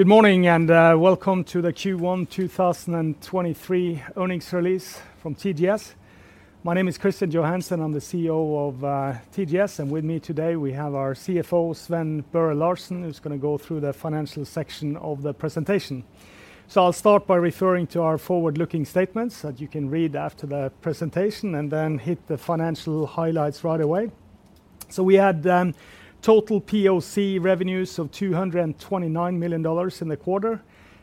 Good morning, welcome to the Q1 2023 earnings release from TGS. My name is Kristian Johansen, I'm the CEO of TGS, and with me today we have our CFO, Sven Børre Larsen, who's gonna go through the financial section of the presentation. I'll start by referring to our forward-looking statements that you can read after the presentation. Then hit the financial highlights right away. We had total POC revenues of $229 million in the quarter.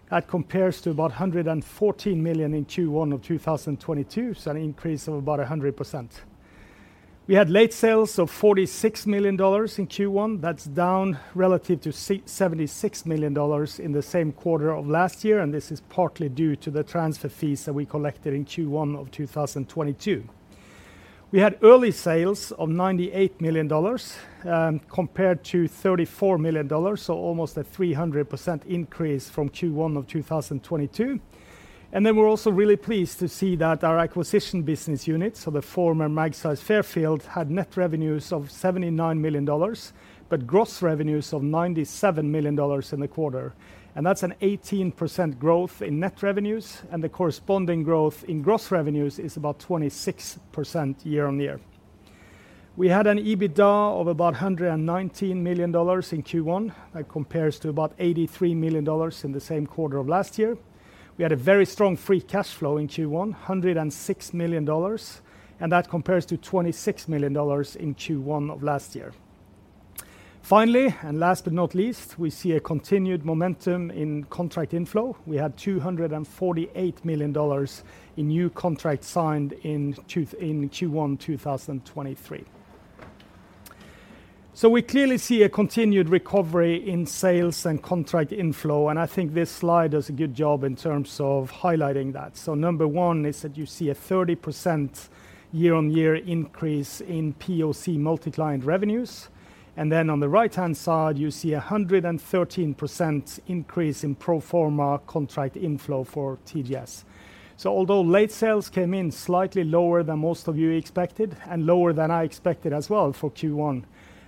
That compares to about $114 million in Q1 2022, so an increase of about 100%. We had late sales of $46 million in Q1. That's down relative to $76 million in the same quarter last year. This is partly due to the transfer fees that we collected in Q1 2022. We had early sales of $98 million compared to $34 million, almost a 300% increase from Q1 of 2022. We're also really pleased to see that our acquisition business unit, the former Magseis Fairfield, had net revenues of $79 million, gross revenues of $97 million in the quarter. That's an 18% growth in net revenues, the corresponding growth in gross revenues is about 26% year-on-year. We had an EBITDA of about $119 million in Q1. That compares to about $83 million in the same quarter of last year. We had a very strong free cash flow in Q1, $106 million, that compares to $26 million in Q1 of last year. Finally, last but not least, we see a continued momentum in contract inflow. We had $248 million in new contracts signed in Q1 2023. We clearly see a continued recovery in sales and contract inflow, and I think this slide does a good job in terms of highlighting that. Number one is that you see a 30% year-over-year increase in POC multiclient revenues, on the right-hand side, you see a 113% increase in pro forma contract inflow for TGS. Although late sales came in slightly lower than most of you expected, and lower than I expected as well for Q1,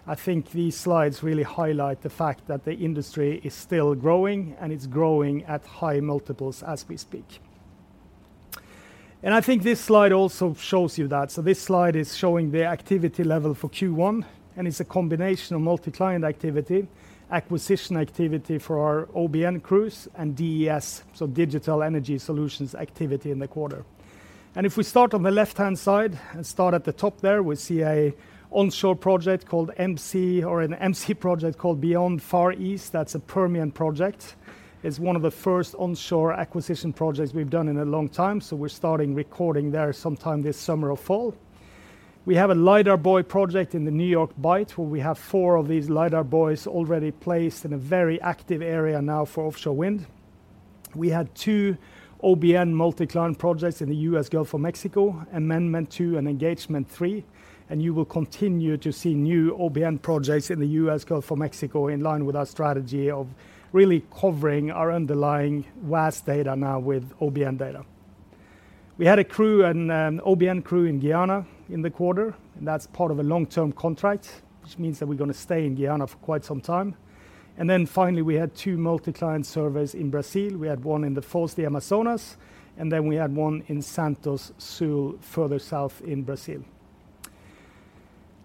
I think these slides really highlight the fact that the industry is still growing, and it's growing at high multiples as we speak. I think this slide also shows you that. This slide is showing the activity level for Q1, and it's a combination of multiclient activity, acquisition activity for our OBN crews, and DES, so Digital Energy Solutions activity in the quarter. If we start on the left-hand side and start at the top there, we see a onshore project called MC, or an MC project called Beyond Far East. That's a Permian project. It's one of the first onshore acquisition projects we've done in a long time, so we're starting recording there sometime this summer or fall. We have a LiDAR buoy project in the New York Bight, where we have 4 of these LiDAR buoys already placed in a very active area now for offshore wind. We had 2 OBN multiclient projects in the U.S. Gulf of Mexico, Amendment Two and Engagement Three. You will continue to see new OBN projects in the U.S. Gulf of Mexico in line with our strategy of really covering our underlying VAST data now with OBN data. We had a crew, an OBN crew in Guyana in the quarter. That's part of a long-term contract, which means that we're gonna stay in Guyana for quite some time. Finally, we had 2 multiclient surveys in Brazil. We had 1 in the Foz do Amazonas. We had 1 in Santos Sul further south in Brazil.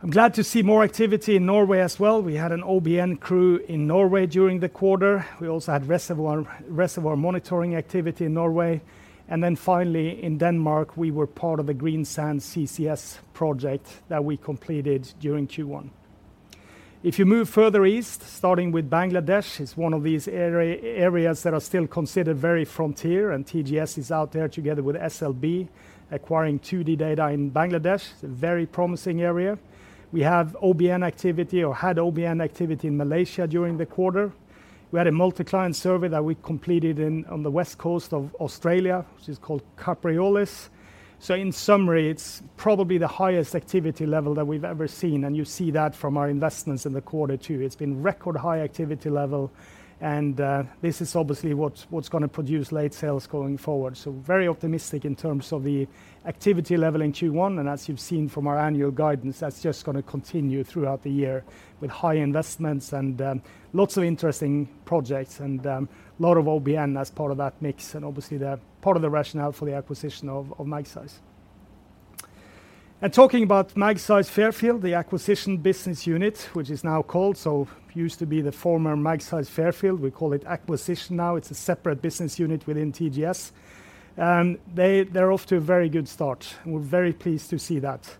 I'm glad to see more activity in Norway as well. We had an OBN crew in Norway during the quarter. We also had reservoir monitoring activity in Norway. Finally in Denmark, we were part of the Greensand CCS project that we completed during Q1. If you move further east, starting with Bangladesh, it's one of these areas that are still considered very frontier, and TGS is out there together with SLB acquiring 2D data in Bangladesh. It's a very promising area. We have OBN activity, or had OBN activity in Malaysia during the quarter. We had a multiclient survey that we completed on the west coast of Australia, which is called Capreolus. In summary, it's probably the highest activity level that we've ever seen, and you see that from our investments in the quarter too. It's been record high activity level and this is obviously what's gonna produce late sales going forward. Very optimistic in terms of the activity level in Q1, and as you've seen from our annual guidance, that's just gonna continue throughout the year with high investments and lots of interesting projects and lot of OBN as part of that mix, and obviously the part of the rationale for the acquisition of Magseis. Talking about Magseis Fairfield, the acquisition business unit, which is now called so, used to be the former Magseis Fairfield. We call it Acquisition now. It's a separate business unit within TGS. They're off to a very good start, and we're very pleased to see that.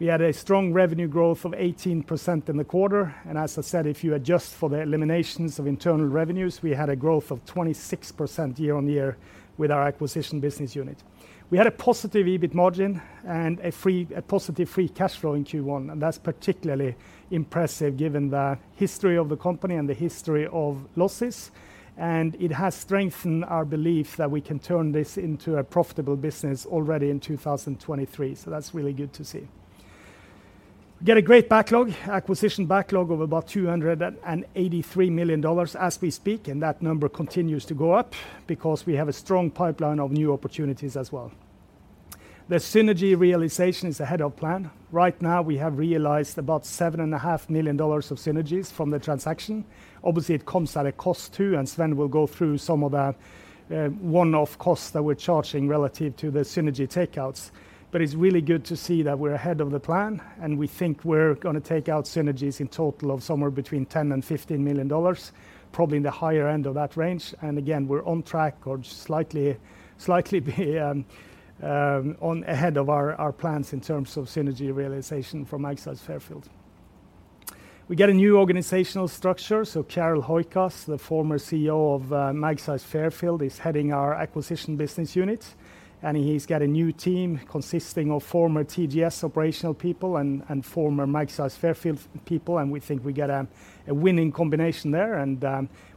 We had a strong revenue growth of 18% in the quarter, and as I said, if you adjust for the eliminations of internal revenues, we had a growth of 26% year-on-year with our acquisition business unit. We had a positive EBIT margin and a positive free cash flow in Q1. That's particularly impressive given the history of the company and the history of losses. It has strengthened our belief that we can turn this into a profitable business already in 2023. That's really good to see. Get a great backlog, acquisition backlog of about $283 million as we speak. That number continues to go up because we have a strong pipeline of new opportunities as well. The synergy realization is ahead of plan. Right now we have realized about $7.5 million of synergies from the transaction. Obviously, it comes at a cost too. We'll go through some of the one-off costs that we're charging relative to the synergy takeouts. It's really good to see that we're ahead of the plan, and we think we're gonna take out synergies in total of somewhere between $10 million and $15 million, probably in the higher end of that range. Again, we're on track or just slightly ahead of our plans in terms of synergy realization from Magseis Fairfield. We get a new organizational structure, Carel Huijskens, the former CEO of Magseis Fairfield, is heading our acquisition business unit, and he's got a new team consisting of former TGS operational people and former Magseis Fairfield people, and we think we get a winning combination there.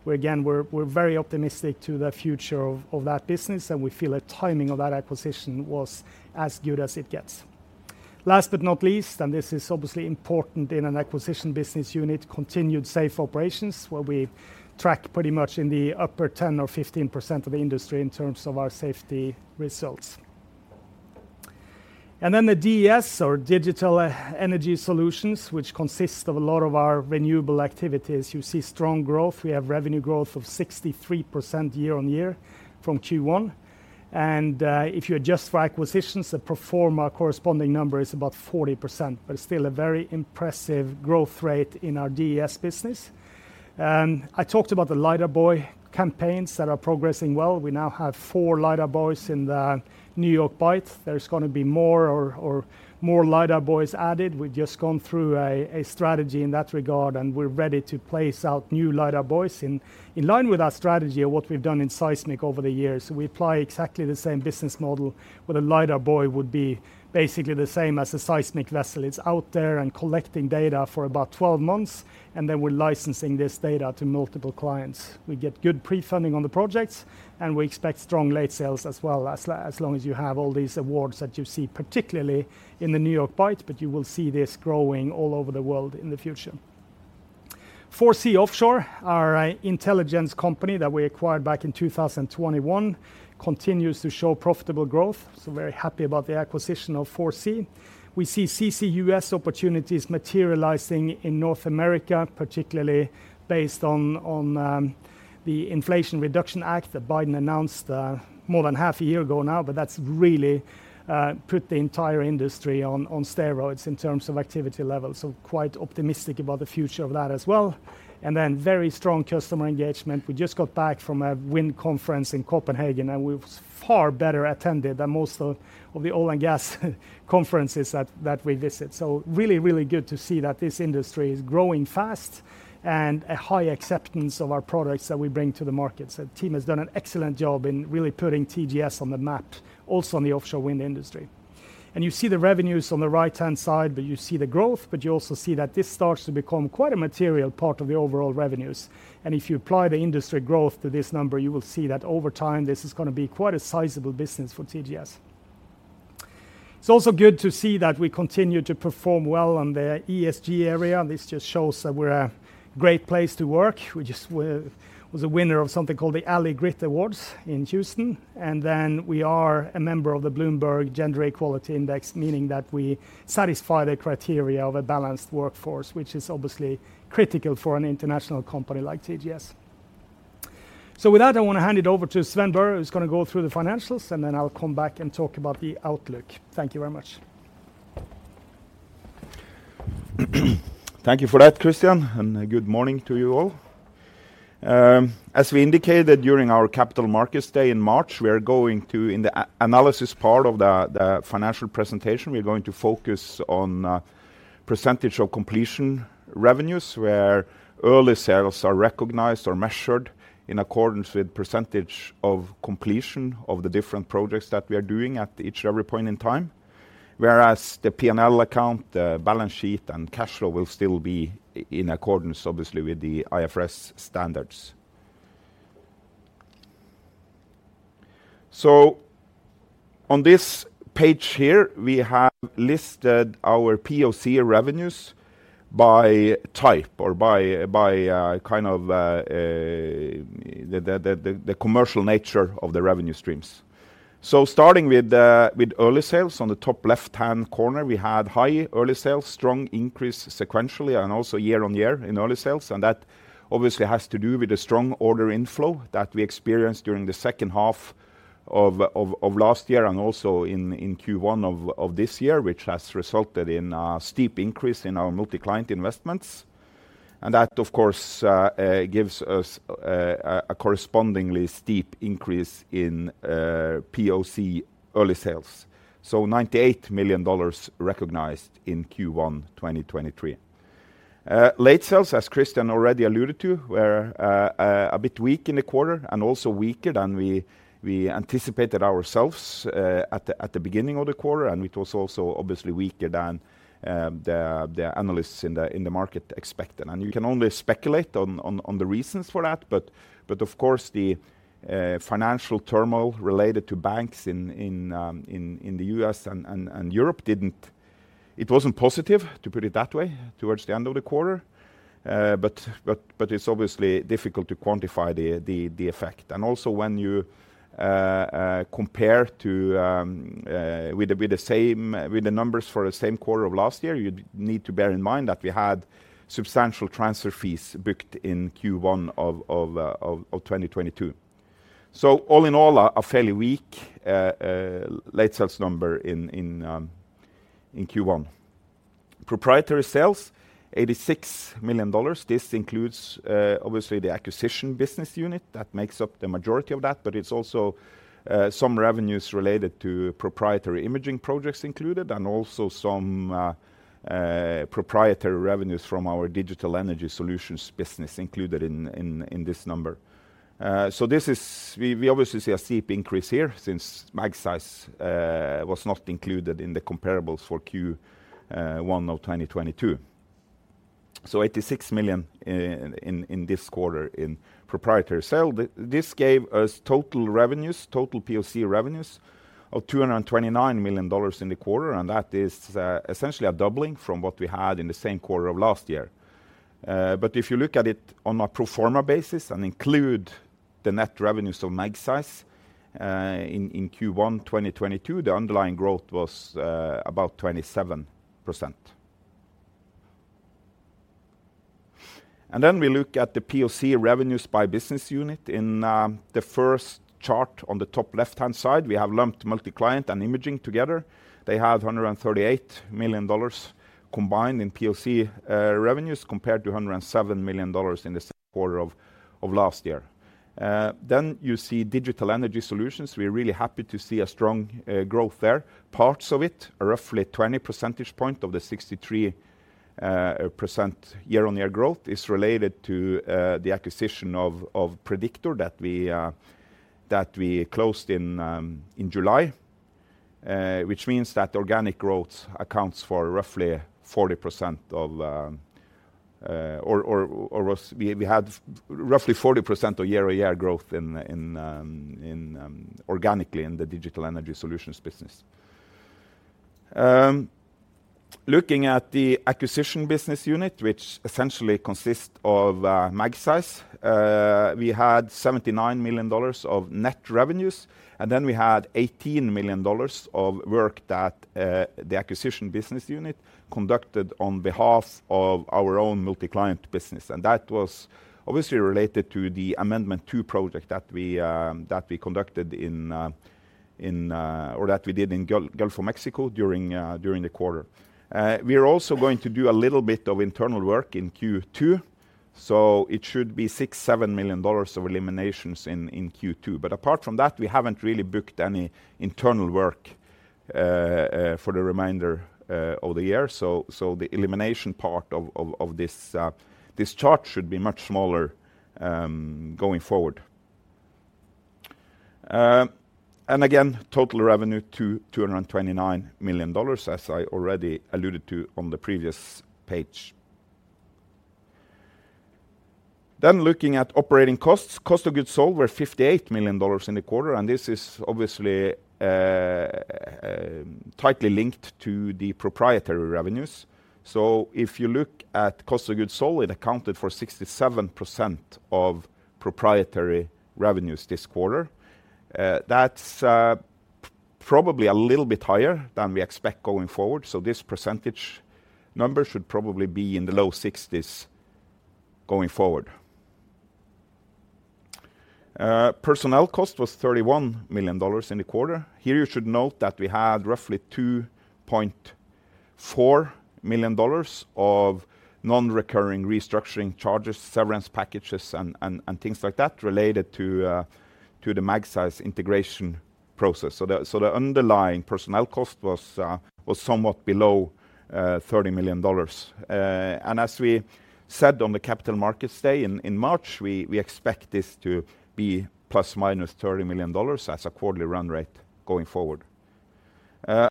Again, we're very optimistic to the future of that business, and we feel the timing of that acquisition was as good as it gets. Last but not least, and this is obviously important in an acquisition business unit, continued safe operations, where we track pretty much in the upper 10% or 15% of the industry in terms of our safety results. Then the DES or Digital Energy Solutions, which consists of a lot of our renewable activities. You see strong growth. We have revenue growth of 63% year on year from Q1 and if you adjust for acquisitions that perform, our corresponding number is about 40%, but it's still a very impressive growth rate in our DES business. I talked about the LiDAR buoy campaigns that are progressing well. We now have four LiDAR buoys in the New York Bight. There's gonna be more LiDAR buoys added. We've just gone through a strategy in that regard. We're ready to place out new LiDAR buoys in line with our strategy of what we've done in seismic over the years. We apply exactly the same business model where the LiDAR buoy would be basically the same as a seismic vessel. It's out there and collecting data for about 12 months. We're licensing this data to multiple clients. We get good pre-funding on the projects. We expect strong late sales as well as long as you have all these awards that you see, particularly in the New York Bight. You will see this growing all over the world in the future. 4C Offshore, our intelligence company that we acquired back in 2021, continues to show profitable growth. Very happy about the acquisition of 4C. We see CCUS opportunities materializing in North America, particularly based on the Inflation Reduction Act that Biden announced more than half a year ago now. That's really put the entire industry on steroids in terms of activity levels, so quite optimistic about the future of that as well. Very strong customer engagement. We just got back from a wind conference in Copenhagen, and it was far better attended than most of the oil and gas conferences that we visit. Really, really good to see that this industry is growing fast and a high acceptance of our products that we bring to the market. The team has done an excellent job in really putting TGS on the map, also in the offshore wind industry. You see the revenues on the right-hand side, but you see the growth, but you also see that this starts to become quite a material part of the overall revenues. If you apply the industry growth to this number, you will see that over time, this is gonna be quite a sizable business for TGS. It's also good to see that we continue to perform well on the ESG area. This just shows that we're a great place to work. We just was a winner of something called the ALLY GRIT Awards in Houston, we are a member of the Bloomberg Gender-Equality Index, meaning that we satisfy the criteria of a balanced workforce, which is obviously critical for an international company like TGS. With that, I want to hand it over to Sven Børre, who's gonna go through the financials, and then I'll come back and talk about the outlook. Thank you very much. Thank you for that, Kristian Johansen, and good morning to you all. As we indicated during our Capital Markets Day in March, we are going to, in the analysis part of the financial presentation, we're going to focus on percentage of completion revenues where early sales are recognized or measured in accordance with percentage of completion of the different projects that we are doing at each and every point in time. Whereas the P&L account, the balance sheet, and cash flow will still be in accordance, obviously, with the IFRS standards. On this page here, we have listed our POC revenues by type or by kind of the commercial nature of the revenue streams. Starting with early sales on the top left-hand corner, we had high early sales, strong increase sequentially and also year-over-year in early sales. That obviously has to do with the strong order inflow that we experienced during the second half of last year and also in Q1 of this year, which has resulted in a steep increase in our multiclient investments. That, of course, gives us a correspondingly steep increase in POC early sales, so $98 million recognized in Q1 2023. Late sales, as Kristian already alluded to, were a bit weak in the quarter and also weaker than we anticipated ourselves at the beginning of the quarter, and it was also obviously weaker than the analysts in the market expected. You can only speculate on the reasons for that, but of course, the financial turmoil related to banks in the US and Europe wasn't positive, to put it that way, towards the end of the quarter, but it's obviously difficult to quantify the effect. Also when you compare to with the numbers for the same quarter of last year, you need to bear in mind that we had substantial transfer fees booked in Q1 of 2022. All in all, a fairly weak late sales number in Q1. Proprietary sales: $86 million. This includes, obviously, the acquisition business unit that makes up the majority of that, but it's also some revenues related to proprietary imaging projects included, and also some proprietary revenues from our Digital Energy Solutions business included in this number. We obviously see a steep increase here since Magseis was not included in the comparables for Q1 of 2022. $86 million in this quarter in proprietary sale. This gave us total revenues, total POC revenues of $229 million in the quarter, that is essentially a doubling from what we had in the same quarter of last year. If you look at it on a pro forma basis and include the net revenues of Magseis in Q1 2022, the underlying growth was about 27%. We look at the POC revenues by business unit. In the first chart on the top left-hand side, we have lumped multi-client and imaging together. They have $138 million combined in POC revenues, compared to $107 million in the same quarter of last year. You see Digital Energy Solutions. We're really happy to see a strong growth there. Parts of it, roughly 20 percentage point of the 63% year-on-year growth, is related to the acquisition of Prediktor that we closed in July. which means that organic growth accounts for roughly 40% of. We had roughly 40% of year-over-year growth in organically in the Digital Energy Solutions business. Looking at the acquisition business unit, which essentially consists of Magseis, we had $79 million of net revenues. We had $18 million of work that the acquisition business unit conducted on behalf of our own multiclient business. That was obviously related to the Amendment Two project that we conducted in or that we did in Gulf of Mexico during the quarter. We are also going to do a little bit of internal work in Q2, so it should be $6 million-$7 million of eliminations in Q2. Apart from that, we haven't really booked any internal work for the remainder of the year. The elimination part of this chart should be much smaller going forward. Again, total revenue, $229 million, as I already alluded to on the previous page. Looking at operating costs. Cost of goods sold were $58 million in the quarter, and this is obviously tightly linked to the proprietary revenues. If you look at cost of goods sold, it accounted for 67% of proprietary revenues this quarter. That's probably a little bit higher than we expect going forward, this percentage number should probably be in the low 60s going forward. Personnel cost was $31 million in the quarter. You should note that we had roughly $2.4 million of non-recurring restructuring charges, severance packages and things like that related to the Magseis integration process. The underlying personnel cost was somewhat below $30 million. As we said on the Capital Markets Day in March, we expect this to be ±$30 million as a quarterly run rate going forward.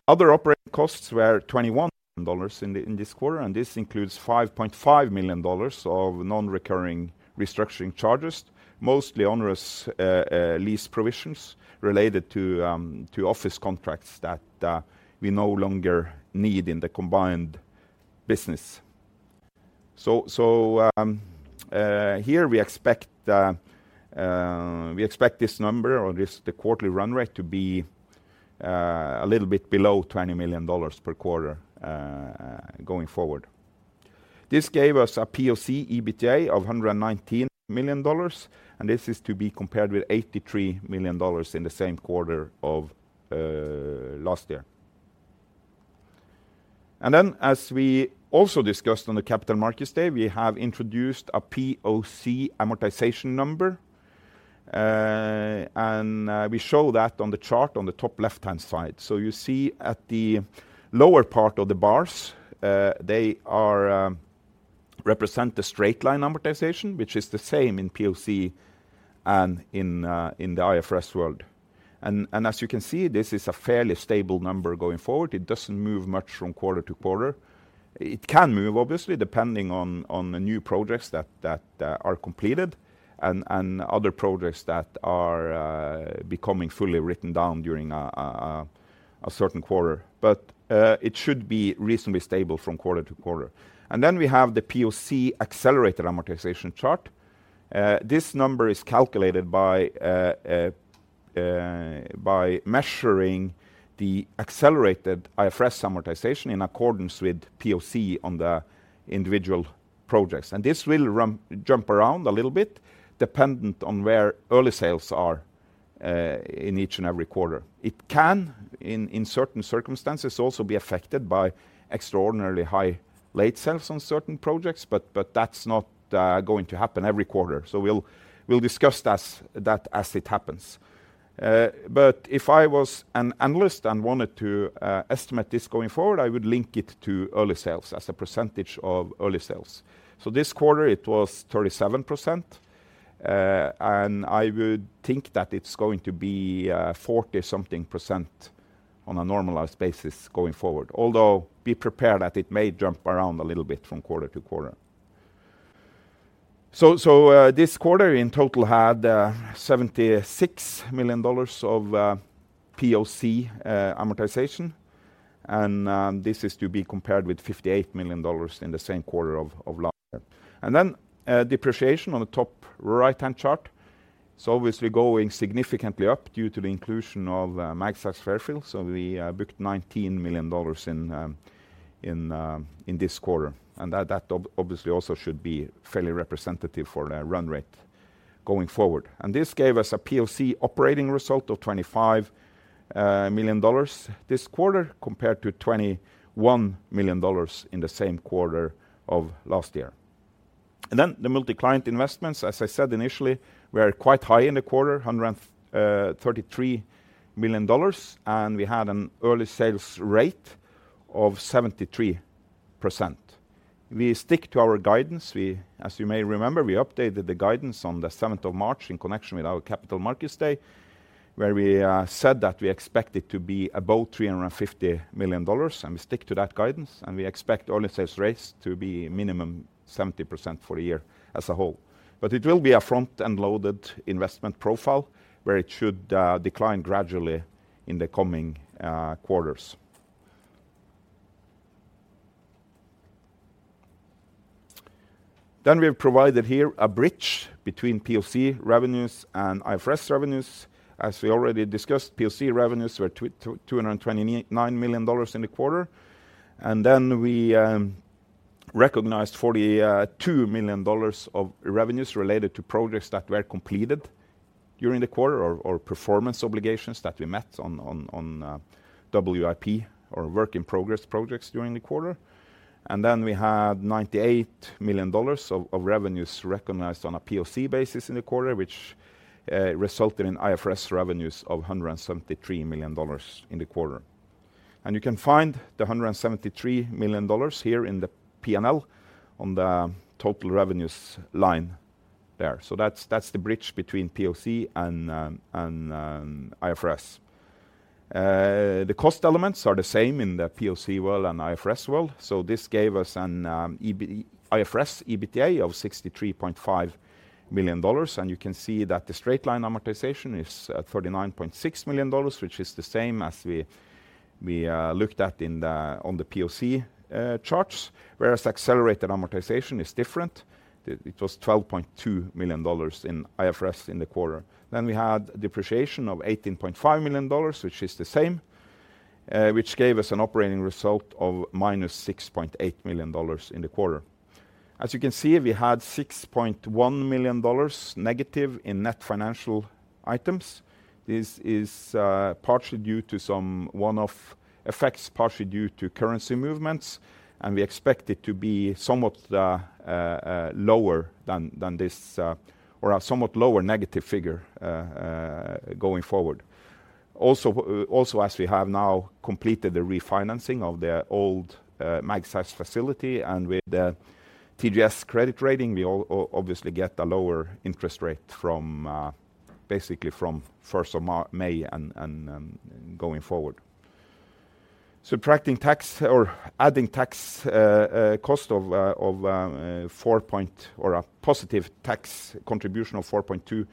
Other operating costs were $21 in this quarter, this includes $5.5 million of non-recurring restructuring charges, mostly onerous lease provisions related to office contracts that we no longer need in the combined business. So, here we expect this, the quarterly run rate to be a little bit below $20 million per quarter going forward. This gave us a POC EBITDA of $119 million, and this is to be compared with $83 million in the same quarter of last year. As we also discussed on the Capital Markets Day, we have introduced a POC amortization number, and we show that on the chart on the top left-hand side. You see at the lower part of the bars, they represent the straight line amortization, which is the same in POC and in the IFRS world. As you can see, this is a fairly stable number going forward. It doesn't move much from quarter to quarter. It can move obviously depending on the new projects that are completed and other projects that are becoming fully written down during a certain quarter. It should be reasonably stable from quarter to quarter. We have the POC accelerated amortization chart. This number is calculated by measuring the accelerated IFRS amortization in accordance with POC on the individual projects. This will jump around a little bit dependent on where early sales are in each and every quarter. It can, in certain circumstances, also be affected by extraordinarily high late sales on certain projects, but that's not going to happen every quarter. We'll discuss this that as it happens. If I was an analyst and wanted to estimate this going forward, I would link it to early sales as a percentage of early sales. This quarter, it was 37%. I would think that it's going to be 40 something percent on a normalized basis going forward. Although be prepared that it may jump around a little bit from quarter to quarter. This quarter in total had $76 million of POC amortization, and this is to be compared with $58 million in the same quarter of last year. Depreciation on the top right-hand chart, it's obviously going significantly up due to the inclusion of Magseis Fairfield. We booked $19 million in this quarter. That obviously also should be fairly representative for the run rate going forward. This gave us a POC operating result of $25 million this quarter compared to $21 million in the same quarter of last year. The multi-client investments, as I said initially, were quite high in the quarter, $133 million, and we had an early sales rate of 73%. We stick to our guidance. As you may remember, we updated the guidance on the 7th of March in connection with our Capital Markets Day, where we said that we expect it to be above $350 million, and we stick to that guidance, and we expect early sales rates to be minimum 70% for the year as a whole. It will be a front-end loaded investment profile where it should decline gradually in the coming quarters. We have provided here a bridge between POC revenues and IFRS revenues. As we already discussed, POC revenues were $229 million in the quarter. We recognized $42 million of revenues related to projects that were completed during the quarter or performance obligations that we met on WIP or work in progress projects during the quarter. We had $98 million of revenues recognized on a POC basis in the quarter, which resulted in IFRS revenues of $173 million in the quarter. You can find the $173 million here in the P&L on the total revenues line there. That's, that's the bridge between POC and IFRS. The cost elements are the same in the POC world and IFRS world. This gave us an IFRS EBITDA of $63.5 million. You can see that the straight-line amortization is at $39.6 million, which is the same as we looked at on the POC charts. Whereas accelerated amortization is different. It was $12.2 million in IFRS in the quarter. We had depreciation of $18.5 million, which is the same, which gave us an operating result of -$6.8 million in the quarter. As you can see, we had $6.1 million negative in net financial items. tially due to some one-off effects, partially due to currency movements, and we expect it to be somewhat lower than this, or a somewhat lower negative figure going forward. Also, as we have now completed the refinancing of the old Magseis facility and with the TGS credit rating, we obviously get a lower interest rate from basically from 1st of May and going forward. Subtracting tax or adding tax cost of or a positive tax contribution of $4.2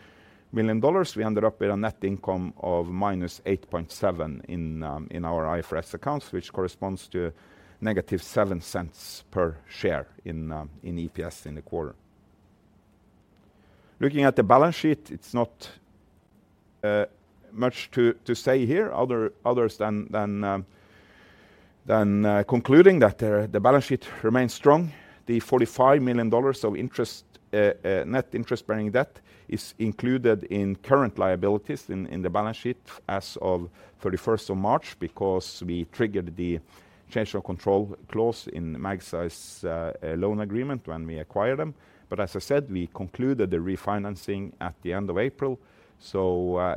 million, we ended up with a net income of minus $8.7 million in our IFRS accounts, which corresponds to negative $0.07 per share in EPS in the quarter. Looking at the balance sheet, it's not much to say here other than concluding that the balance sheet remains strong. The $45 million of interest, net interest-bearing debt is included in current liabilities in the balance sheet as of 31st of March because we triggered the change of control clause in Magseis' loan agreement when we acquired them. As I said, we concluded the refinancing at the end of April,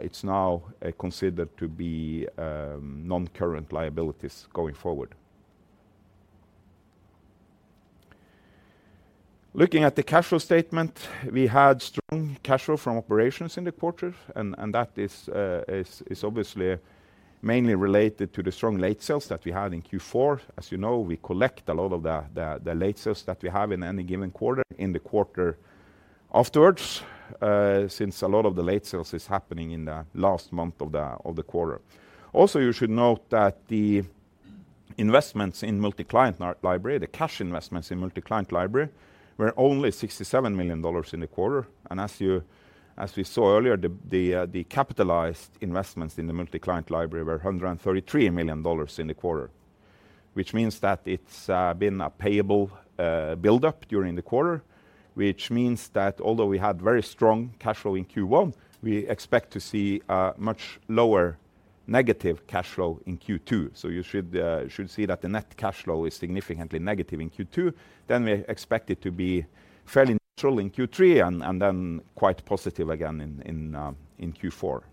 it's now considered to be non-current liabilities going forward. Looking at the cash flow statement, we had strong cash flow from operations in the quarter, that is obviously mainly related to the strong late sales that we had in Q4. As you know, we collect a lot of the late sales that we have in any given quarter in the quarter afterwards, since a lot of the late sales is happening in the last month of the quarter. Also, you should note that the investments in Multi-Client Library, the cash investments in Multi-Client Library, were only $67 million in the quarter. As you, as we saw earlier, the capitalized investments in the Multi-Client Library were $133 million in the quarter. Which means that it's been a payable buildup during the quarter, which means that although we had very strong cash flow in Q1, we expect to see a much lower negative cash flow in Q2. You should see that the net cash flow is significantly negative in Q2. We expect it to be fairly neutral in Q3 and then quite positive again in Q4.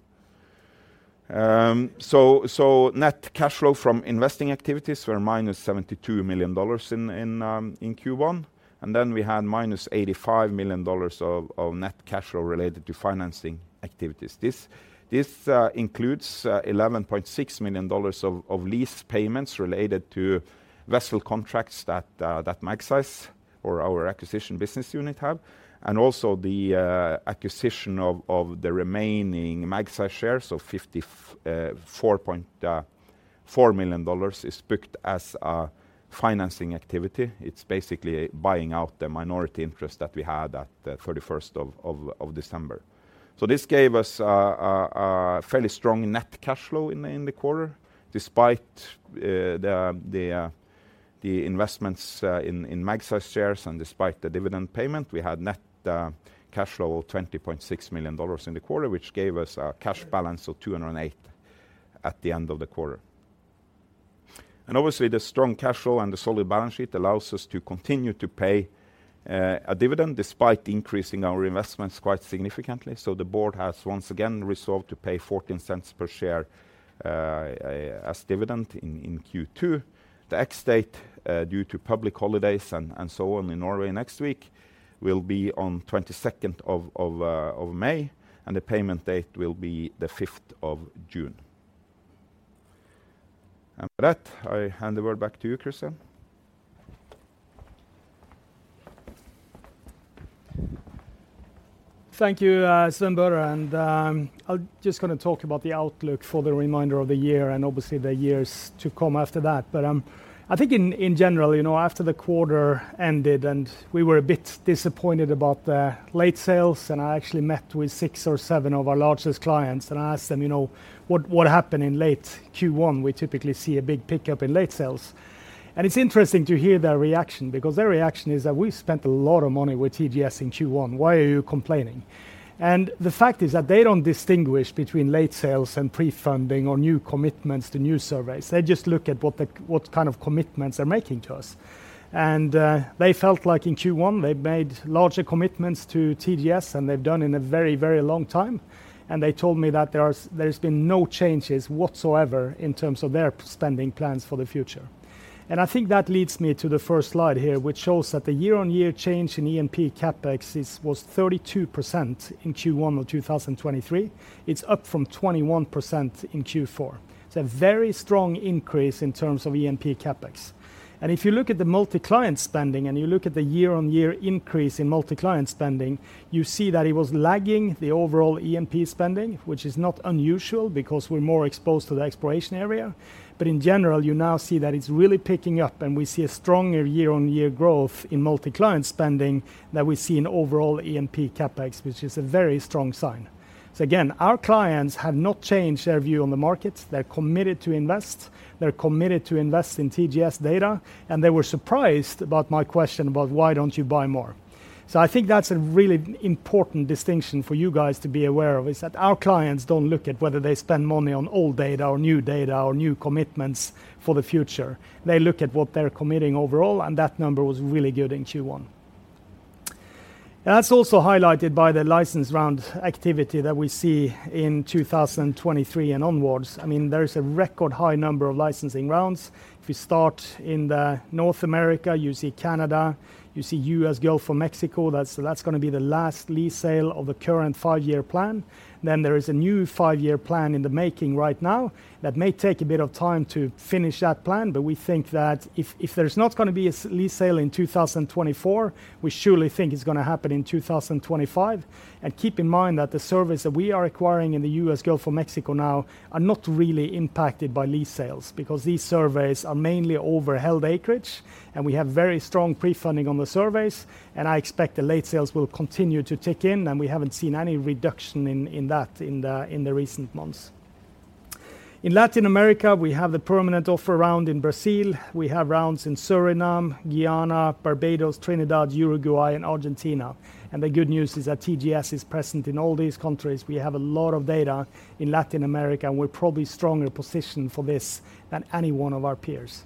Net cash flow from investing activities were -$72 million in Q1, and then we had -$85 million of net cash flow related to financing activities. This includes $11.6 million of lease payments related to vessel contracts that Magseis or our acquisition business unit have. Also the acquisition of the remaining Magseis shares of $54.4 million is booked as a financing activity. It's basically buying out the minority interest that we had at the thirty-first of December. This gave us a fairly strong net cash flow in the quarter, despite the investments in Magseis shares and despite the dividend payment. We had net cash flow of $20.6 million in the quarter, which gave us a cash balance of $208 million at the end of the quarter. Obviously the strong cash flow and the solid balance sheet allows us to continue to pay a dividend despite increasing our investments quite significantly. The board has once again resolved to pay $0.14 per share as dividend in Q2. The ex-date, due to public holidays and so on in Norway next week, will be on 22nd of May, and the payment date will be the 5th of June. With that, I hand the word back to you, Kristian. Thank you, Sven Børre. I'm just gonna talk about the outlook for the reminder of the year and obviously the years to come after that. I think in general, you know, after the quarter ended and we were a bit disappointed about the late sales, and I actually met with 6 or 7 of our largest clients, and I asked them, you know, "What, what happened in late Q1? We typically see a big pickup in late sales." It's interesting to hear their reaction because their reaction is that we spent a lot of money with TGS in Q1. Why are you complaining? The fact is that they don't distinguish between late sales and pre-funding or new commitments to new surveys. They just look at what kind of commitments they're making to us. They felt like in Q1, they made larger commitments to TGS than they've done in a very, very long time. They told me that there's been no changes whatsoever in terms of their spending plans for the future. I think that leads me to the first slide here, which shows that the year-on-year change in E&P CapEx is, was 32% in Q1 of 2023. It's up from 21% in Q4. It's a very strong increase in terms of E&P CapEx. If you look at the multi-client spending and you look at the year-on-year increase in multi-client spending, you see that it was lagging the overall E&P spending, which is not unusual because we're more exposed to the exploration area. In general, you now see that it's really picking up, and we see a stronger year-on-year growth in multi-client spending than we see in overall E&P CapEx, which is a very strong sign. Again, our clients have not changed their view on the market. They're committed to invest. They're committed to invest in TGS data, and they were surprised about my question about why don't you buy more. I think that's a really important distinction for you guys to be aware of, is that our clients don't look at whether they spend money on old data or new data or new commitments for the future. They look at what they're committing overall, and that number was really good in Q1. That's also highlighted by the license round activity that we see in 2023 and onwards. There is a record high number of licensing rounds. If you start in North America, you see Canada, you see US Gulf of Mexico. That's gonna be the last lease sale of the current five-year plan. There is a new five-year plan in the making right now. That may take a bit of time to finish that plan, we think that if there's not gonna be a lease sale in 2024, we surely think it's gonna happen in 2025. Keep in mind that the surveys that we are acquiring in the US Gulf of Mexico now are not really impacted by lease sales because these surveys are mainly over held acreage, and we have very strong pre-funding on the surveys, and I expect the late sales will continue to tick in, and we haven't seen any reduction in that in the recent months. In Latin America, we have the permanent offer round in Brazil. We have rounds in Suriname, Guyana, Barbados, Trinidad, Uruguay, and Argentina. The good news is that TGS is present in all these countries. We have a lot of data in Latin America, and we're probably stronger positioned for this than any one of our peers.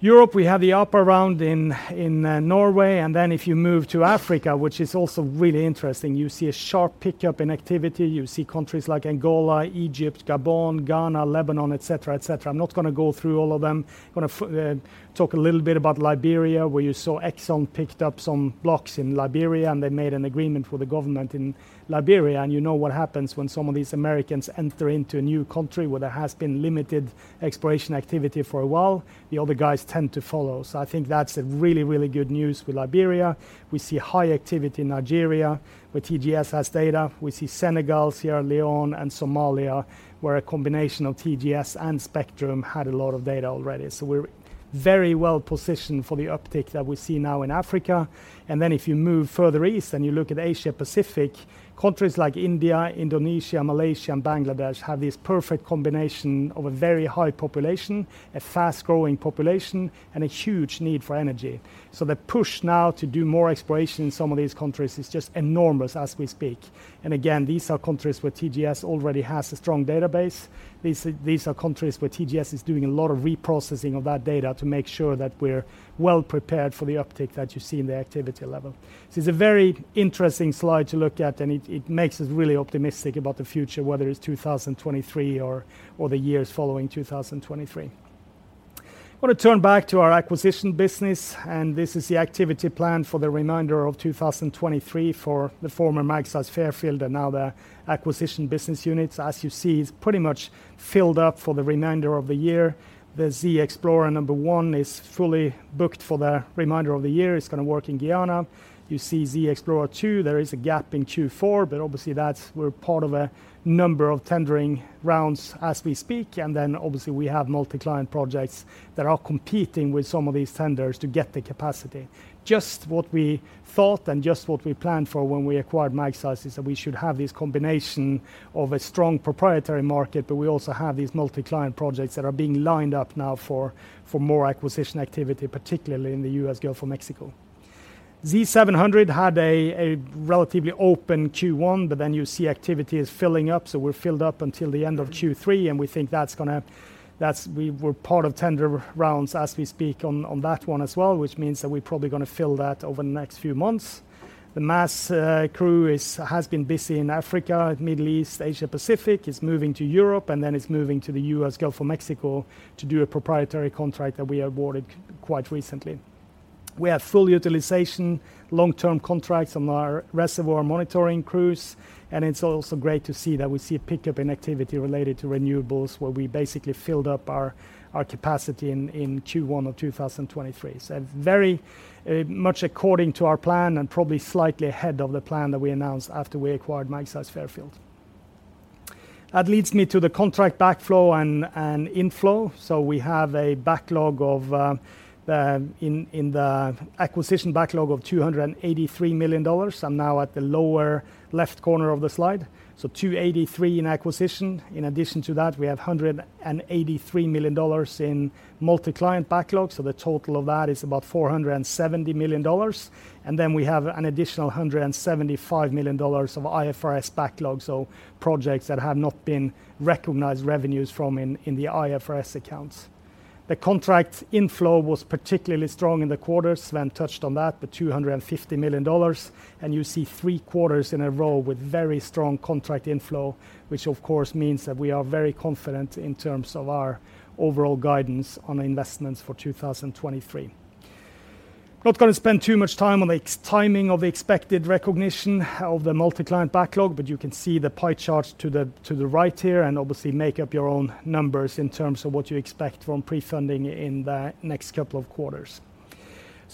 Europe, we have the upper round in Norway. If you move to Africa, which is also really interesting, you see a sharp pickup in activity. You see countries like Angola, Egypt, Gabon, Ghana, Lebanon, et cetera, et cetera. I'm not gonna go through all of them. I'm gonna talk a little bit about Liberia, where you saw Exxon picked up some blocks in Liberia, and they made an agreement with the government in Liberia. You know what happens when some of these Americans enter into a new country where there has been limited exploration activity for a while, the other guys tend to follow. I think that's a really good news for Liberia. We see high activity in Nigeria, where TGS has data. We see Senegal, Sierra Leone, and Somalia, where a combination of TGS and Spectrum had a lot of data already. We're very well positioned for the uptick that we see now in Africa. If you move further east and you look at Asia-Pacific, countries like India, Indonesia, Malaysia, and Bangladesh have this perfect combination of a very high population, a fast-growing population, and a huge need for energy. The push now to do more exploration in some of these countries is just enormous as we speak. Again, these are countries where TGS already has a strong database. These are countries where TGS is doing a lot of reprocessing of that data to make sure that we're well prepared for the uptick that you see in the activity level. This is a very interesting slide to look at, and it makes us really optimistic about the future, whether it's 2023 or the years following 2023. I wanna turn back to our acquisition business. This is the activity plan for the remainder of 2023 for the former Magseis Fairfield and now the Acquisition Business Units. As you see, it's pretty much filled up for the remainder of the year. The Z Explorer 1 is fully booked for the remainder of the year. It's gonna work in Guyana. You see Z Explorer 2, there is a gap in Q4, obviously that's, we're part of a number of tendering rounds as we speak. Obviously we have multiclient projects that are competing with some of these tenders to get the capacity. Just what we thought and just what we planned for when we acquired Magseis is that we should have this combination of a strong proprietary market, but we also have these multi-client projects that are being lined up now for more acquisition activity, particularly in the US Gulf of Mexico. Z700 had a relatively open Q1, but then you see activity is filling up, so we're filled up until the end of Q3, and we think that's gonna. We're part of tender rounds as we speak on that one as well, which means that we're probably gonna fill that over the next few months. The MASS crew has been busy in Africa, Middle East, Asia Pacific. It's moving to Europe, and then it's moving to the US Gulf of Mexico to do a proprietary contract that we awarded quite recently. We have full utilization, long-term contracts on our reservoir monitoring crews. It's also great to see that we see a pickup in activity related to renewables, where we basically filled up our capacity in Q1 of 2023. Very much according to our plan and probably slightly ahead of the plan that we announced after we acquired Magseis Fairfield. That leads me to the contract backflow and inflow. We have a backlog of in the acquisition backlog of $283 million. I'm now at the lower left corner of the slide. $283 in acquisition. In addition to that, we have $183 million in multi-client backlog. The total of that is about $470 million. We have an additional $175 million of IFRS backlog, so projects that have not been recognized revenues from in the IFRS accounts. The contract inflow was particularly strong in the quarter. Sven touched on that, the $250 million. You see 3 quarters in a row with very strong contract inflow, which of course means that we are very confident in terms of our overall guidance on investments for 2023. Not gonna spend too much time on the ex-timing of the expected recognition of the multiclient backlog, but you can see the pie chart to the right here and obviously make up your own numbers in terms of what you expect from pre-funding in the next couple of quarters.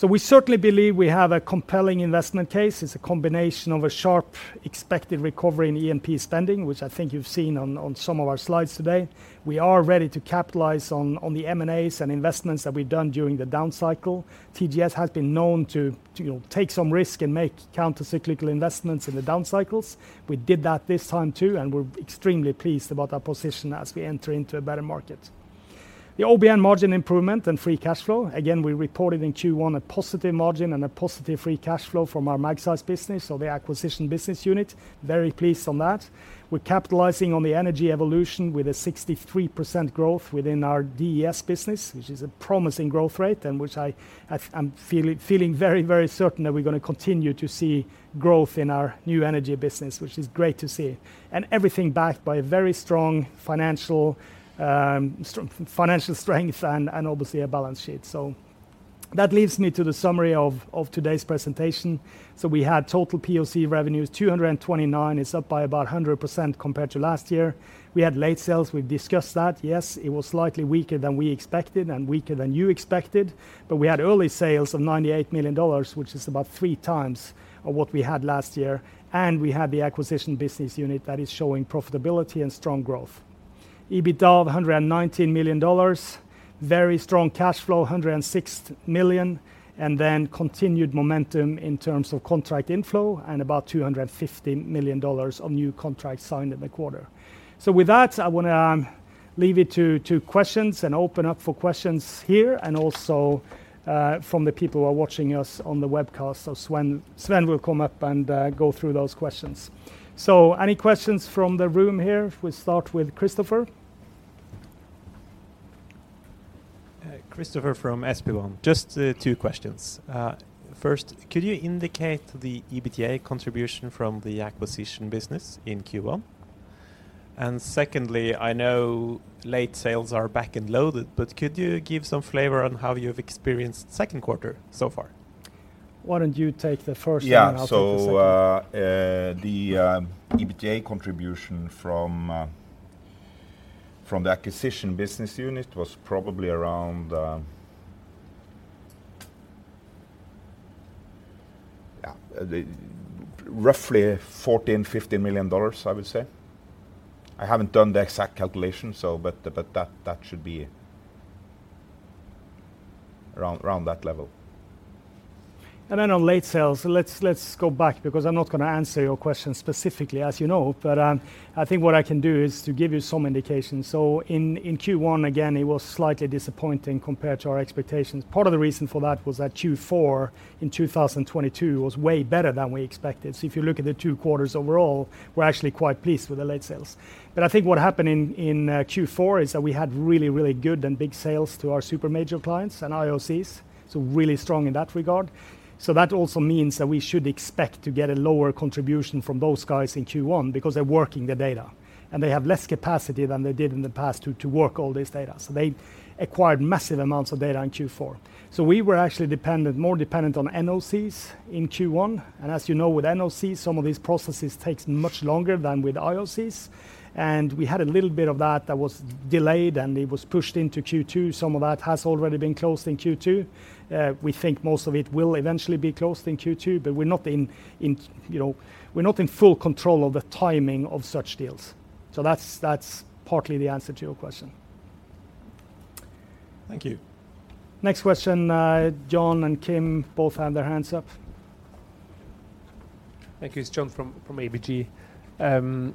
We certainly believe we have a compelling investment case. It's a combination of a sharp expected recovery in E&P spending, which I think you've seen on some of our slides today. We are ready to capitalize on the M&As and investments that we've done during the down cycle. TGS has been known to, you know, take some risk and make counter-cyclical investments in the down cycles. We did that this time too. We're extremely pleased about our position as we enter into a better market. The OBN margin improvement and free cash flow. Again, we reported in Q1 a positive margin and a positive free cash flow from our Magseis business or the acquisition business unit. Very pleased on that. We're capitalizing on the energy evolution with a 63% growth within our DES business, which is a promising growth rate and which I'm feeling very certain that we're gonna continue to see growth in our new energy business, which is great to see. Everything backed by a very strong financial strength and obviously a balance sheet. That leads me to the summary of today's presentation. We had total POC revenues, $229. It's up by about 100% compared to last year. We had late sales. We've discussed that. Yes, it was slightly weaker than we expected and weaker than you expected. We had early sales of $98 million, which is about 3 times of what we had last year. We had the acquisition business unit that is showing profitability and strong growth. EBITDA of $119 million, very strong cash flow, $106 million, and continued momentum in terms of contract inflow and about $250 million of new contracts signed in the quarter. With that, I wanna leave it to questions and open up for questions here and also from the people who are watching us on the webcast. Sven will come up and go through those questions. Any questions from the room here? If we start with Christopher. Christopher from SEB. Just two questions. First, could you indicate the EBITA contribution from the acquisition business in Q1? Secondly, I know late sales are back and loaded, but could you give some flavor on how you've experienced second quarter so far? Why don't you take the first one? Yeah... I'll take the second. The EBITA contribution from the acquisition business unit was probably around the roughly $14 million-$15 million, I would say. I haven't done the exact calculation, so but that should be around that level. On late sales, let's go back because I'm not gonna answer your question specifically, as you know, but I think what I can do is to give you some indications. In Q1, again, it was slightly disappointing compared to our expectations. Part of the reason for that was that Q4 in 2022 was way better than we expected. If you look at the two quarters overall, we're actually quite pleased with the late sales. I think what happened in Q4 is that we had really, really good and big sales to our super major clients and IOCs, so really strong in that regard. That also means that we should expect to get a lower contribution from those guys in Q1 because they're working the data, and they have less capacity than they did in the past to work all this data. They acquired massive amounts of data in Q4. We were actually more dependent on NOCs in Q1. As you know, with NOCs, some of these processes takes much longer than with IOCs. We had a little bit of that that was delayed, and it was pushed into Q2. Some of that has already been closed in Q2. We think most of it will eventually be closed in Q2, but we're not in, you know, full control of the timing of such deals. That's partly the answer to your question. Thank you. Next question, John and Kim both have their hands up. Thank you. It's John from ABG. Kristian,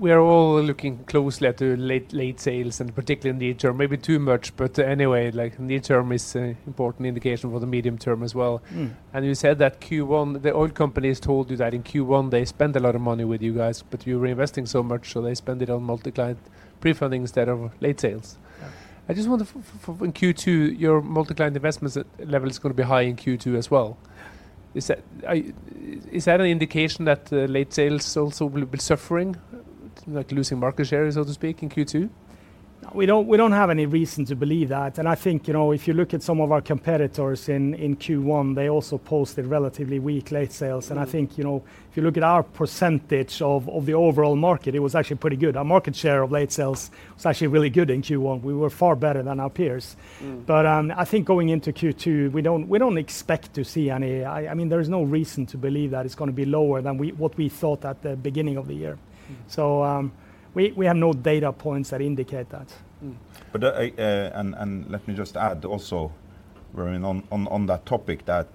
we are all looking closely at the late sales and particularly in the near-term, maybe too much, but anyway, like near-term is a important indication for the medium term as well. Mm. You said that Q1, the oil companies told you that in Q1, they spend a lot of money with you guys, but you're investing so much, so they spend it on multi-client prefunding instead of late sales. Yeah. I just wonder for in Q2, your multi-client investments level is gonna be high in Q2 as well. Is that an indication that late sales also will be suffering, like losing market shares, so to speak, in Q2? We don't have any reason to believe that. I think, you know, if you look at some of our competitors in Q1, they also posted relatively weak late sales. I think, you know, if you look at our percentage of the overall market, it was actually pretty good. Our market share of late sales was actually really good in Q1. We were far better than our peers. Mm. I think going into Q2, we don't expect to see, I mean, there is no reason to believe that it's gonna be lower than what we thought at the beginning of the year. Mm. We have no data points that indicate that. Mm. Let me just add also, I mean, on that topic that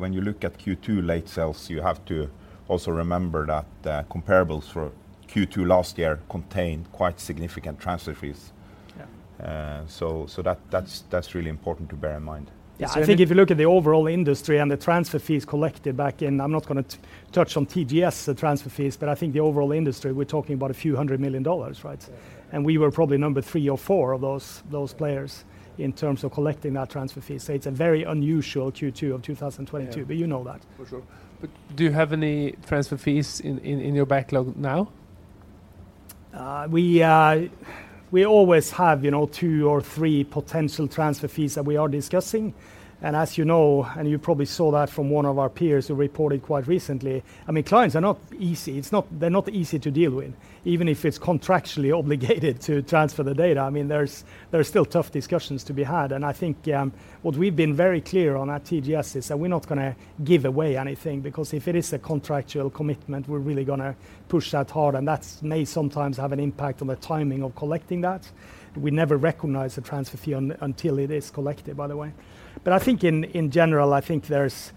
when you look at Q2 late sales, you have to also remember that the comparables for Q2 last year contained quite significant transfer fees. Yeah. That's really important to bear in mind. Yeah. So any- I think if you look at the overall industry and I'm not gonna touch on TGS, the transfer fees, but I think the overall industry, we're talking about a few hundred million dollars, right? Yeah. We were probably number three or four of those players in terms of collecting that transfer fee. It's a very unusual Q2 of 2022. Yeah. You know that. For sure. Do you have any transfer fees in your backlog now? We always have, you know, two or three potential transfer fees that we are discussing. As you know, and you probably saw that from one of our peers who reported quite recently, I mean, clients are not easy. They're not easy to deal with, even if it's contractually obligated to transfer the data. I mean, there's still tough discussions to be had. I think, what we've been very clear on at TGS is that we're not gonna give away anything because if it is a contractual commitment, we're really gonna push that hard, and that's may sometimes have an impact on the timing of collecting that. We never recognize the transfer fee until it is collected, by the way. I think in general, I think there's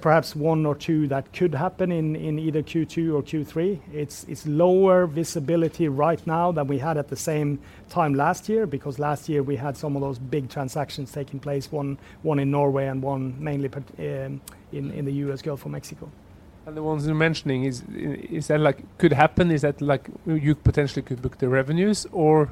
perhaps one or two that could happen in either Q2 or Q3. It's lower visibility right now than we had at the same time last year, because last year we had some of those big transactions taking place, one in Norway and one mainly part in the US Gulf of Mexico. The ones you're mentioning is that like could happen? Is that like you potentially could book the revenues or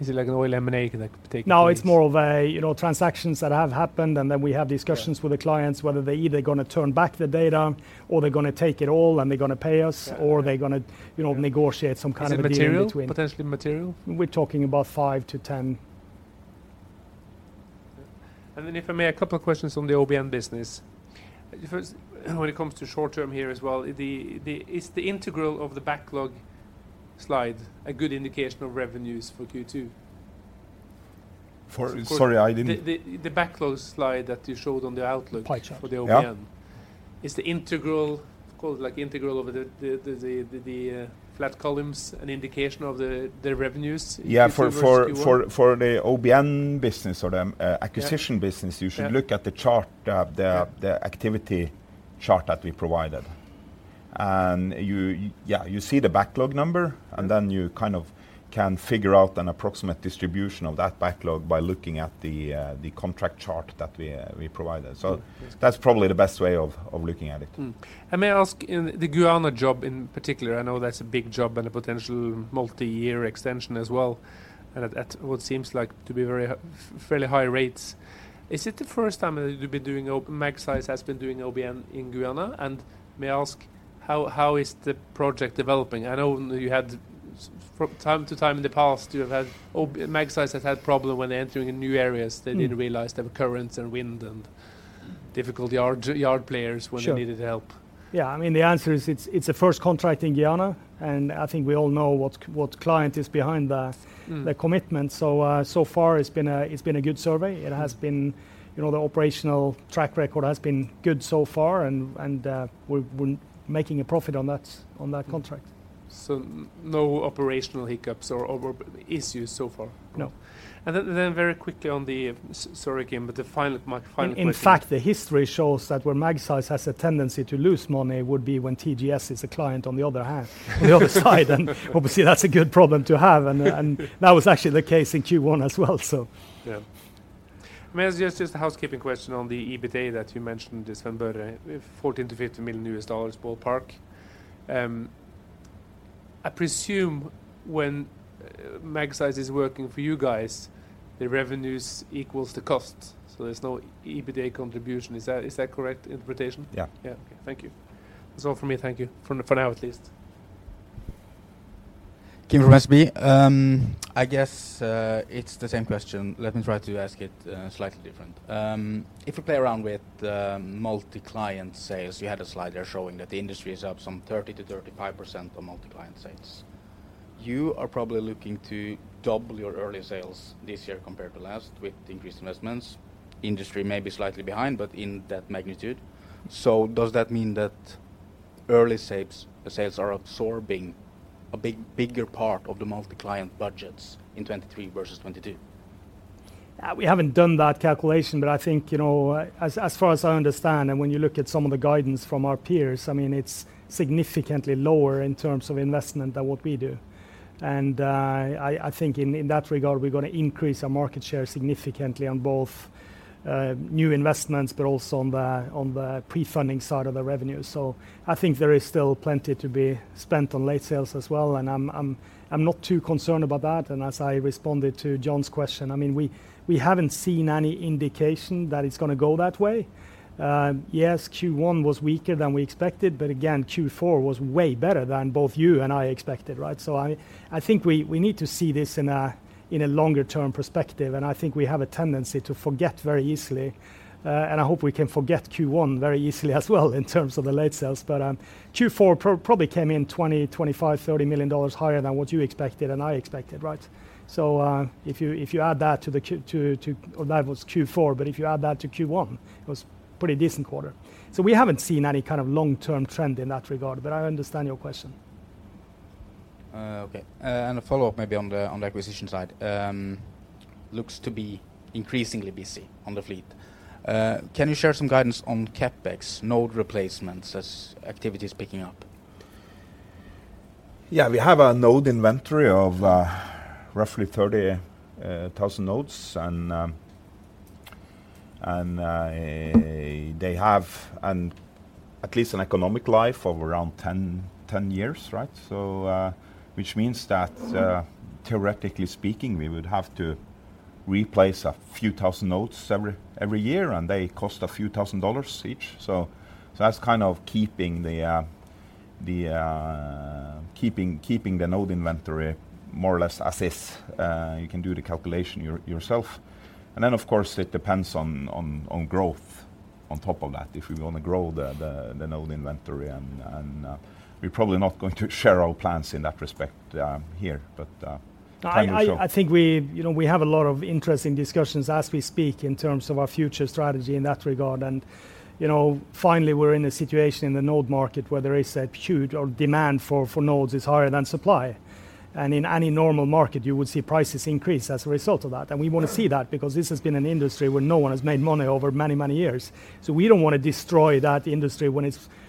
is it like an oil M&A that could take years? No, it's more of a, you know, transactions that have happened, and then we have discussions- Yeah with the clients, whether they either gonna turn back the data or they're gonna take it all and they're gonna pay us- Yeah... or they're gonna, you know- Yeah... negotiate some kind of deal between Is it material? Potentially material? We're talking about 5 to 10. If I may, a couple of questions on the OBN business. First, when it comes to short term here as well, the, is the integral of the backlog slide a good indication of revenues for Q2? Sorry. The backlog slide that you showed on the outlook. The pie chart. for the OBN. Yeah. Is the integral, call it like integral of the flat columns an indication of the revenues in Q2 versus Q1? Yeah, for the OBN business or the acquisition business. Yeah You should look at the chart. Yeah the activity chart that we provided. You, yeah, you see the backlog number- Mm. You kind of can figure out an approximate distribution of that backlog by looking at the contract chart that we provided. Mm. That's probably the best way of looking at it. May I ask in the Guyana job in particular, I know that's a big job and a potential multi-year extension as well, and at what seems like to be very fairly high rates. Is it the first time that you've been doing Magseis has been doing OBN in Guyana? May I ask how is the project developing? I know you had from time to time in the past you have had Magseis has had problem when entering in new areas. Mm. They didn't realize they have currents and wind and difficult yard players. Sure. when they needed help. Yeah. I mean, the answer is it's a first contract in Guyana, and I think we all know what client is behind. Mm. The commitment. So far it's been a good survey. It has been, you know, the operational track record has been good so far, and we're making a profit on that contract. no operational hiccups or issues so far? No. Then very quickly sorry again, my final question. In fact, the history shows that where Magseis has a tendency to lose money would be when TGS is a client on the other side, and obviously that's a good problem to have and that was actually the case in Q1 as well, so. Yeah. May I just ask just a housekeeping question on the EBITA that you mentioned, the Svenborg, $14 million-$15 million ballpark? I presume when Magseis is working for you guys, the revenues equals the cost, so there's no EBITA contribution. Is that correct interpretation? Yeah. Okay. Thank you. That's all for me, thank you, for now at least. Kim from SEB. I guess, it's the same question. Let me try to ask it, slightly different. If we play around with, multi-client sales, you had a slide there showing that the industry is up some 30%-35% on multi-client sales. You are probably looking to double your early sales this year compared to last with increased investments. Industry may be slightly behind, but in that magnitude. Does that mean that early shapes, sales are absorbing a bigger part of the multi-client budgets in 2023 versus 2022? We haven't done that calculation, but I think, you know, as far as I understand, when you look at some of the guidance from our peers, I mean, it's significantly lower in terms of investment than what we do. I think in that regard we're going to increase our market share significantly on both new investments, but also on the, on the pre-funding side of the revenue. I think there is still plenty to be spent on late sales as well, and I'm not too concerned about that. As I responded to John's question, I mean, we haven't seen any indication that it's going to go that way. Yes, Q1 was weaker than we expected, but again, Q4 was way better than both you and I expected, right? I think we need to see this in a longer-term perspective, and I think we have a tendency to forget very easily, and I hope we can forget Q1 very easily as well in terms of the late sales. Probably came in $20 million, $25 million, $30 million higher than what you expected and I expected, right? If you add that to Q1, it was pretty decent quarter. We haven't seen any kind of long-term trend in that regard. I understand your question. Okay. A follow-up maybe on the, on the acquisition side. Looks to be increasingly busy on the fleet. Can you share some guidance on CapEx node replacements as activity is picking up? We have a node inventory of roughly 30,000 nodes and they have an at least an economic life of around 10 years, right? Which means that theoretically speaking, we would have to replace a few thousand nodes every year, and they cost a few thousand dollars each. That's kind of keeping the node inventory more or less as is. You can do the calculation yourself. Of course it depends on growth on top of that, if we wanna grow the node inventory. We're probably not going to share our plans in that respect here. Time will show. I think we, you know, we have a lot of interesting discussions as we speak in terms of our future strategy in that regard. You know, finally we're in a situation in the node market where there is a huge, or demand for nodes is higher than supply. In any normal market, you would see prices increase as a result of that. We wanna see that because this has been an industry where no one has made money over many, many years. We don't wanna destroy that industry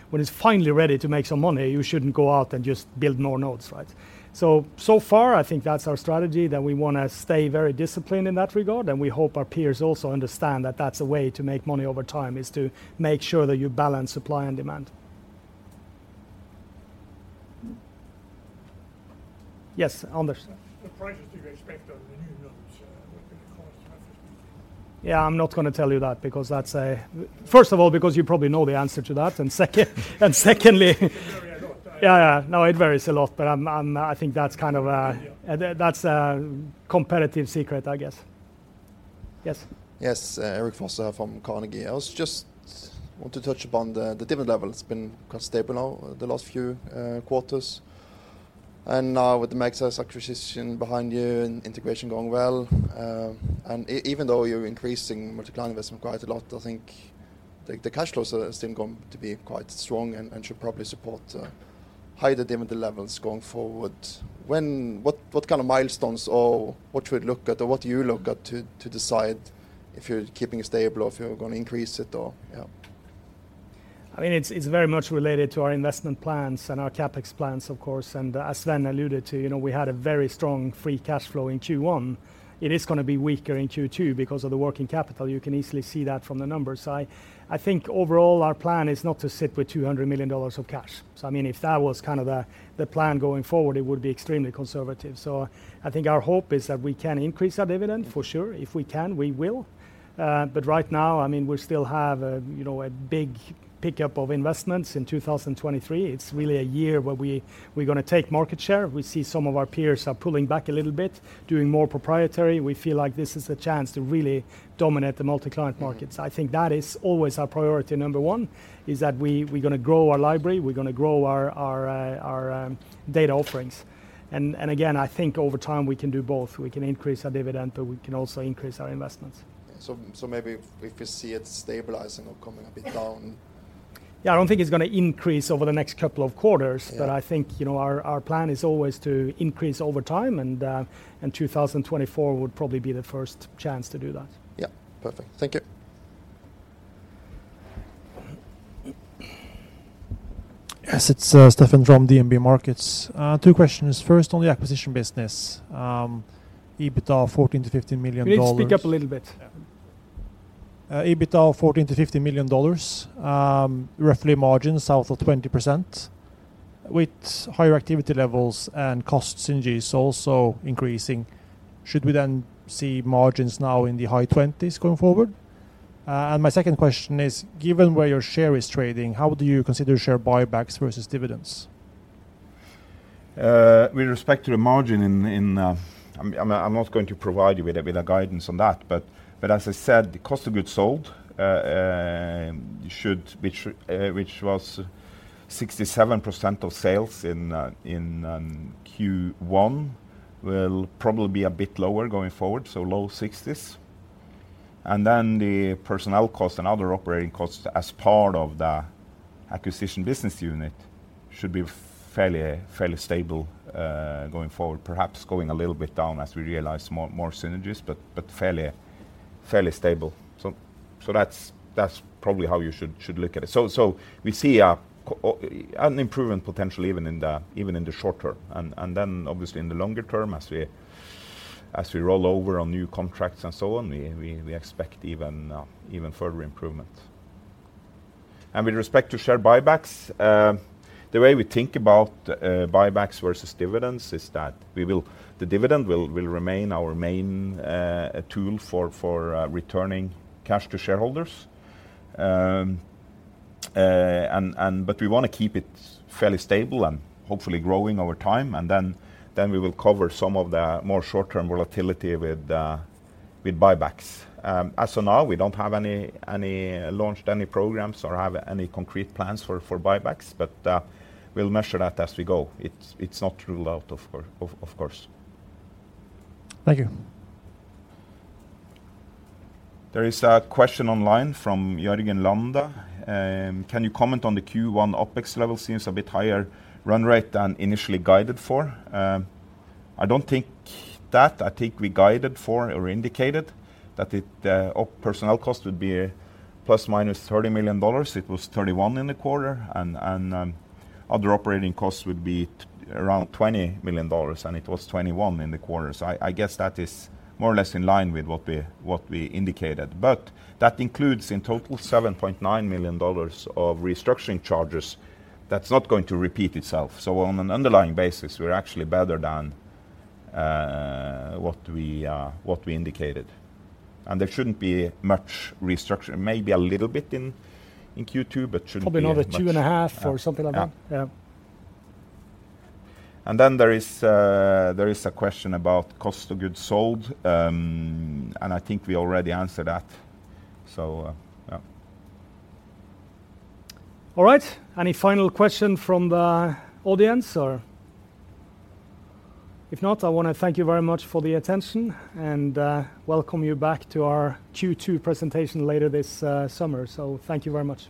when it's finally ready to make some money. You shouldn't go out and just build more nodes, right? So far I think that's our strategy, that we wanna stay very disciplined in that regard, and we hope our peers also understand that that's a way to make money over time, is to make sure that you balance supply and demand. Yes, Anders. What prices do you expect on the new nodes, with the cost increase? Yeah, I'm not gonna tell you that because that's. First of all, because you probably know the answer to that. Secondly. It can vary a lot. Yeah, yeah. No, it varies a lot, but I think that's kind of. Yeah. That's a competitive secret, I guess. Yes. Yes. Erik Fosser from Carnegie. I was just want to touch upon the different levels been kind of stable now the last few quarters. Now with the Magseis acquisition behind you and integration going well, even though you're increasing multi-client investment quite a lot, I think the cash flows are still going to be quite strong and should probably support. High dividend levels going forward, what kind of milestones or what should we look at or what do you look at to decide if you're keeping it stable or if you're gonna increase it or? Yeah. I mean, it's very much related to our investment plans and our CapEx plans, of course. As Sven alluded to, you know, we had a very strong free cash flow in Q1. It is gonna be weaker in Q2 because of the working capital. You can easily see that from the numbers. I think overall our plan is not to sit with $200 million of cash. I mean, if that was kind of the plan going forward, it would be extremely conservative. I think our hope is that we can increase our dividend for sure. If we can, we will. Right now, I mean, we still have a, you know, a big pickup of investments in 2023. It's really a year where we're gonna take market share. We see some of our peers are pulling back a little bit, doing more proprietary. We feel like this is a chance to really dominate the multi-client markets. I think that is always our priority number one, is that we're gonna grow our library, we're gonna grow our data offerings. Again, I think over time we can do both. We can increase our dividend, but we can also increase our investments. maybe if you see it stabilizing or coming a bit down. Yeah, I don't think it's gonna increase over the next couple of quarters. Yeah. I think, you know, our plan is always to increase over time, and 2024 would probably be the first chance to do that. Yeah. Perfect. Thank you. Yes, it's Stefan from DNB Markets. Two questions. First, on the acquisition business, EBITDA $14 million-$15 million- Can you speak up a little bit? Yeah. EBITDA $14 million-$15 million, roughly margins south of 20%. With higher activity levels and cost synergies also increasing, should we then see margins now in the high 20s going forward? My second question is, given where your share is trading, how do you consider share buybacks versus dividends? With respect to the margin in. I'm not going to provide you with a guidance on that. As I said, the cost of goods sold, which was 67% of sales in Q1, will probably be a bit lower going forward, so low sixties. The personnel costs and other operating costs as part of the acquisition business unit should be fairly stable going forward. Perhaps going a little bit down as we realize more synergies, but fairly stable. That's probably how you should look at it. We see an improvement potential even in the short term. Then obviously in the longer term as we roll over on new contracts and so on, we expect even further improvement. With respect to share buybacks, the way we think about buybacks versus dividends is that the dividend will remain our main tool for returning cash to shareholders. But we wanna keep it fairly stable and hopefully growing over time, then we will cover some of the more short-term volatility with buybacks. As of now, we don't have any launched any programs or have any concrete plans for buybacks, but we'll measure that as we go. It's not ruled out of course. Thank you. There is a question online from Jørgen Lande. Can you comment on the Q1 OpEx level seems a bit higher run rate than initially guided for? I don't think that. I think we guided for or indicated that it personnel cost would be ±$30 million. It was $31 in the quarter. Other operating costs would be around $20 million, and it was $21 in the quarter. I guess that is more or less in line with what we indicated. That includes in total $7.9 million of restructuring charges that's not going to repeat itself. On an underlying basis, we're actually better than what we indicated. There shouldn't be much restructure. Maybe a little bit in Q2, but shouldn't be much. Probably another two and a half or something like that. Yeah. Yeah. There is a question about cost of goods sold, and I think we already answered that. Yeah. All right. Any final question from the audience or? If not, I wanna thank you very much for the attention and welcome you back to our Q2 presentation later this summer. Thank you very much.